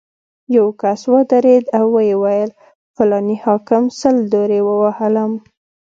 یو کس ودرېد او ویې ویل: فلاني حاکم سل درې ووهلم.